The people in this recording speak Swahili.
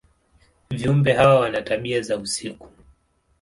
Viumbe hawa wana tabia za usiku.